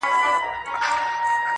راځي سبا.